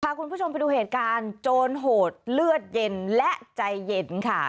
คุณผู้ชมไปดูเหตุการณ์โจรโหดเลือดเย็นและใจเย็นค่ะ